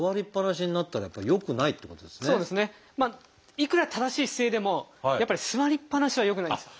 いくら正しい姿勢でもやっぱり座りっぱなしは良くないんですよ。